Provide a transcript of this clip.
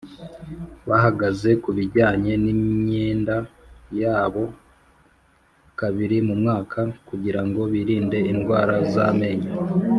bahagaze kubijyanye n imyenda yabo kabiri mu mwaka kugirango birinde indwara z amenyo